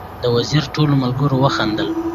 د وزیر ټولو ملګرو وخندل.